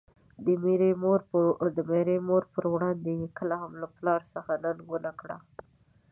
د ميرې مور په وړاندې يې کله هم پلار له ده څخه ننګه ونکړه.